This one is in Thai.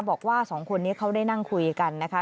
บอกว่าสองคนนี้เขาได้นั่งคุยกันนะคะ